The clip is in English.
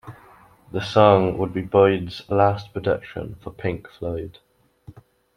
The song would be Boyd's last production for Pink Floyd.